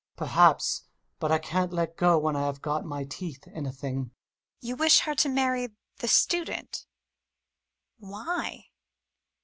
Perhaps but I can't let go when I have got my teeth in a thing Mummy. You wish to marry her to the Student? Why?